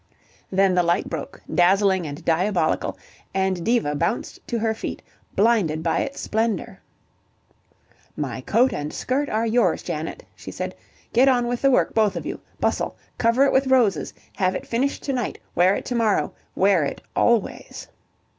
... Then the light broke, dazzling and diabolical, and Diva bounced to her feet, blinded by its splendour. "My coat and skirt are yours, Janet," she said. "Get on with the work both of you. Bustle. Cover it with roses. Have it finished to night. Wear it to morrow. Wear it always."